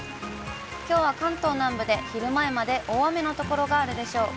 きょうは関東南部で昼前まで大雨の所があるでしょう。